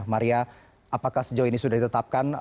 maria apakah sejauh ini sudah ditetapkan